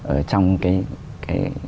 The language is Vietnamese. ở trong cái